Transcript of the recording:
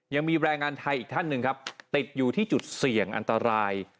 ยังมีแรงงานไทยอีกท่านหนึ่งครับติดอยู่ที่จุดเสี่ยงอันตราย